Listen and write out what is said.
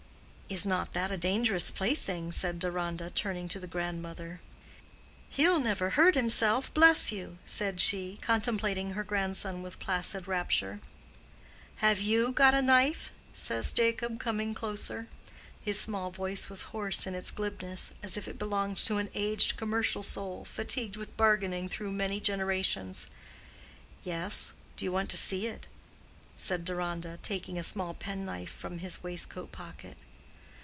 "Is not that a dangerous plaything?" said Deronda, turning to the grandmother. "He'll never hurt himself, bless you!" said she, contemplating her grandson with placid rapture. "Have you got a knife?" says Jacob, coming closer. His small voice was hoarse in its glibness, as if it belonged to an aged commercial soul, fatigued with bargaining through many generations. "Yes. Do you want to see it?" said Deronda, taking a small penknife from his waistcoat pocket.